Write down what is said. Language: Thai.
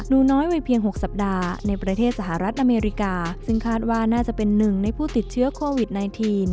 น้อยวัยเพียง๖สัปดาห์ในประเทศสหรัฐอเมริกาซึ่งคาดว่าน่าจะเป็นหนึ่งในผู้ติดเชื้อโควิด๑๙